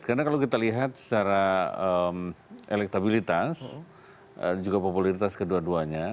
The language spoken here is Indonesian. karena kalau kita lihat secara elektabilitas juga populitas kedua duanya